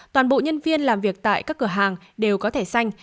toàn bộ nhân viên làm việc tại các cửa hàng đều có thẻ xanh